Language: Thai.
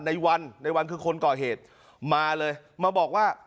ในวันในวันคือคนก่อเหตุมาเลยมาบอกว่า